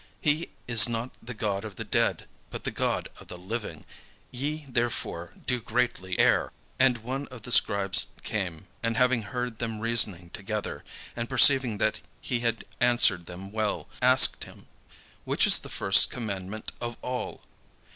He is not the God of the dead, but the God of the living: ye therefore do greatly err." And one of the scribes came, and having heard them reasoning together, and perceiving that he had answered them well, asked him, "Which is the first commandment of all?"